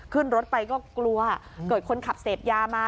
ขึ้นรถไปก็กลัวเกิดคนขับเสพยามา